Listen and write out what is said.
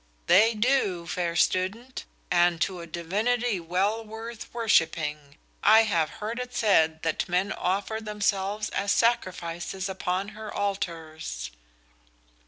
"They do, fair student, and to a divinity well worth worshiping. I have heard it said that men offer themselves as sacrifices upon her altars."